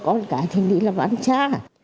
con cái thì nghĩ là bán xa